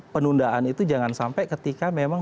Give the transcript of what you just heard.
penundaan itu jangan sampai ketika memang